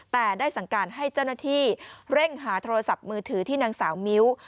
แต่ได้สั่งการให้เจ้าหน้าที่เร่งหาโทรศัพท์มือถือที่นางสาวมิ้ว